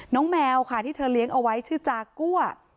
แมวค่ะที่เธอเลี้ยงเอาไว้ชื่อจากัว